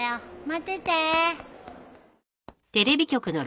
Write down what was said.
待ってて。